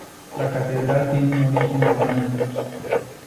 La catedral tiene un origen románico.